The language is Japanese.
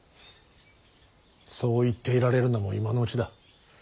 そう言っていられるのも今のうちだ。